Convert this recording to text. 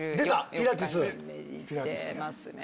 ピラティス。